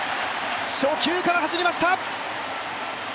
初球から走りました！